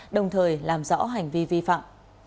đồng thời làm rõ hành vi vi phạm